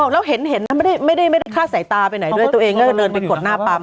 แล้วเห็นมันไม่ได้ไม่ได้ไม่ได้ค่าสายตาไปไหนด้วยตัวเองก็เริ่มไปกดหน้าปั๊ม